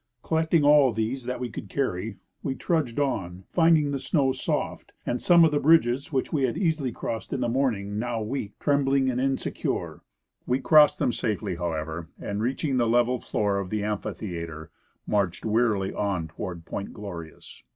Collecting all of these that we could carry, we trudged on, finding the snow soft and some of the bridges which we had easily crossed in the morning now weak, trem bling, and insecure. We crossed them safely, however, and, reach ing the level floor of the amphitheatre, marched wearily on to ward Point Glorious.